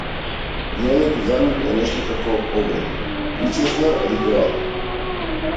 Пиењето за нив е нешто како обред, причесна, ритуал.